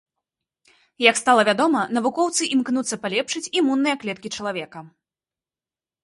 Як стала вядома, навукоўцы імкнуцца палепшыць імунныя клеткі чалавека.